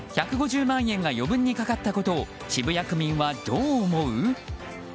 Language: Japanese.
１５０万円が余分にかかったことを渋谷区民はどう思う？